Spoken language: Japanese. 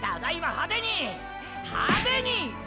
派手に！！